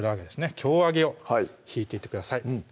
京揚げをひいていってください